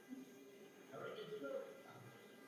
Katolická univerzita v Lovani.